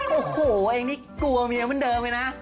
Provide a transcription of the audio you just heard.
โอ้โหเองนี่กลัวเมียเหมือนเดิมเลยนะ